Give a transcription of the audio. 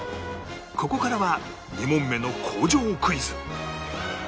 ここからは２問目の工場クイズ！